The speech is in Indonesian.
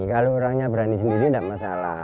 kalau orangnya berani sendiri tidak masalah